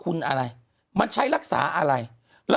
คุณหนุ่มกัญชัยได้เล่าใหญ่ใจความไปสักส่วนใหญ่แล้ว